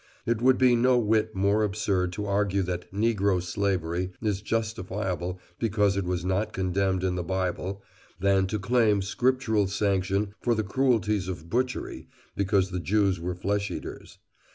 It would be no whit more absurd to argue that negro slavery is justifiable because it was not condemned in the Bible than to claim scriptural sanction for the cruelties of butchery because the Jews were flesh eaters.